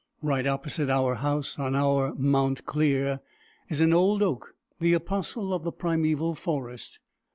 Right opposite our house, on our Mount Clear, is an old oak, the apostle of the primeval forest.